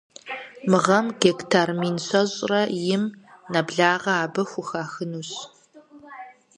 Мы гъэм гектар мин щэщӏрэ им нэблагъэ абы хухахынущ.